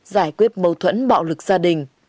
giải quyết mâu thuẫn bạo lực gia đình